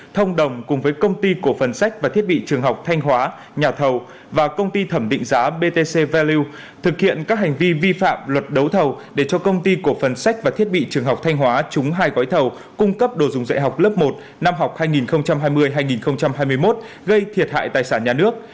thông đồng cùng với công ty cổ phần sách và thiết bị trường học thanh hóa nhà thầu và công ty thẩm định giá btc value thực hiện các hành vi vi phạm luật đấu thầu để cho công ty cổ phần sách và thiết bị trường học thanh hóa trúng hai gói thầu cung cấp đồ dùng dạy học lớp một năm học hai nghìn hai mươi hai nghìn hai mươi một gây thiệt hại tài sản nhà nước